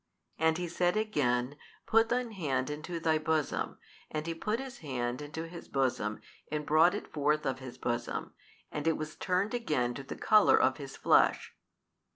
And He said again, Put thine hand into thy bosom, and he put his hand into his bosom and brought it forth of his bosom, and it was turned again to the colour of his flesh.